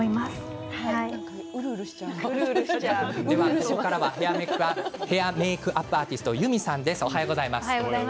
ここからはヘアメークアップアーティストｙｕｍｉさんです。